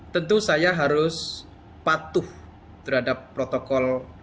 tentu saya harus patuh terhadap protokol covid sembilan belas